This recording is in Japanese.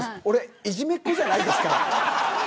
俺いじめっ子じゃないですから。